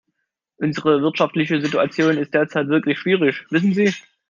Unsere wirtschaftliche Situation ist derzeit wirklich schwierig, wissen Sie.